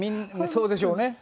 そうでしょうね。